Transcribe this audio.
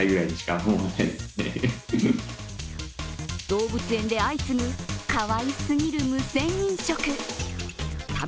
動物園で相次ぐ、かわいすぎる無銭飲食。